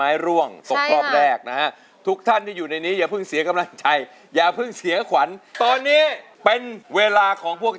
ร่วงตกรอบแรกนะฮะทุกท่านที่อยู่ในนี้อย่าเพิ่งเสียกำลังใจอย่าเพิ่งเสียขวัญตอนนี้เป็นเวลาของพวก